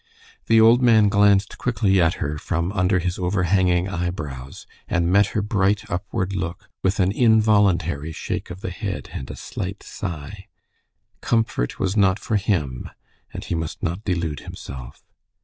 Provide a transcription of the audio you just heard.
The old man glanced quickly at her from under his overhanging eyebrows, and met her bright upward look with an involuntary shake of the head and a slight sigh. Comfort was not for him, and he must not delude himself.